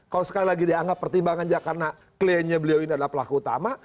kalau sekali lagi dianggap pertimbangannya karena kliennya beliau ini adalah pelaku utama